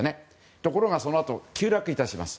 ところがそのあと急落いたします。